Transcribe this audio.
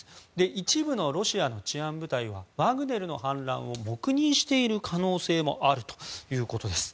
一部のロシアの治安部隊はワグネルの反乱を黙認している可能性もあるということです。